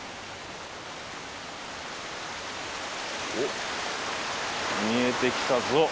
おっ見えてきたぞ。